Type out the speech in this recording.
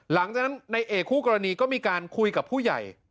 หลังจากนั้นในเอกคู่กรณีก็มีการคุยกับผู้ใหญ่